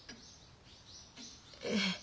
ええ。